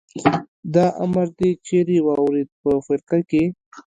دا امر دې چېرې واورېد؟ په فرقه کې.